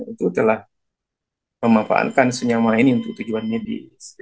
itu telah memanfaatkan senyawa ini untuk tujuannya di